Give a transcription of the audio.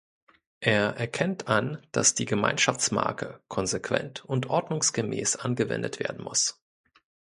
Er erkennt an, dass die Gemeinschaftsmarke konsequent und ordnungsgemäß angewendet werden muss.